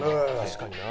確かにな。